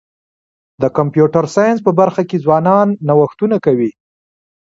د کمپیوټر ساینس په برخه کي ځوانان نوښتونه کوي.